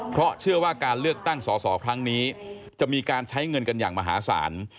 เพราะเชื่อว่าการเลือกตั้งสอสอครั้งนี้จะมีการใช้เงินกันอย่างมหาศาล